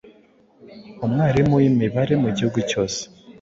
Umwarimu w'imibare mugihugu cyose